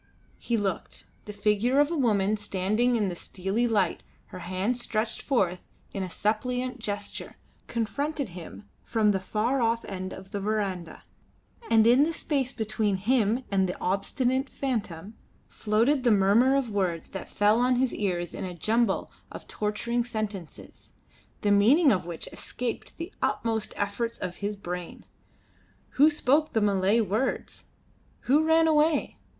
He looked. The figure of a woman standing in the steely light, her hands stretched forth in a suppliant gesture, confronted him from the far off end of the verandah; and in the space between him and the obstinate phantom floated the murmur of words that fell on his ears in a jumble of torturing sentences, the meaning of which escaped the utmost efforts of his brain. Who spoke the Malay words? Who ran away?